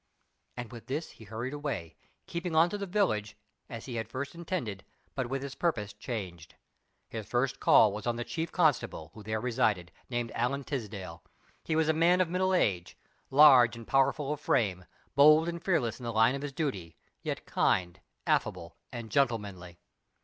And with this he hurried away, keeping on to the village, as he had first intended; but with his purpose changed. His first call was on the chief constable, who there resided, named Allan Tisdale. He was a man of middle age; large and powerful of frame; bold and fearless in the line of his duty, yet kind, affable, and gentlemanly.